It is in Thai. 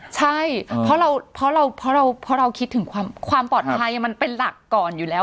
ใช่เพราะเราเพราะเราเพราะเราคิดถึงความความปลอดภัยมันเป็นหลักก่อนอยู่แล้ว